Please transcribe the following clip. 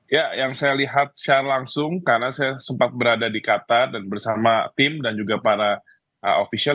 ya yang saya lihat secara langsung karena saya sempat berada di qatar dan bersama tim dan juga para ofisial